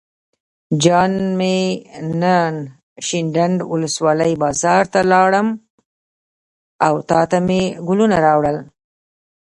جان مې نن شینډنډ ولسوالۍ بازار ته لاړم او تاته مې ګلونه راوړل.